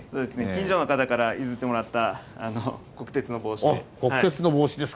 近所の方から譲ってもらった国鉄の帽子で。